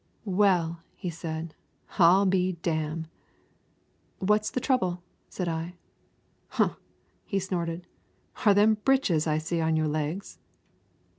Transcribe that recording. "Well," he said, "I'll be damn!" "What's the trouble?" said I. "Humph!" he snorted, "are them britches I see on your legs?"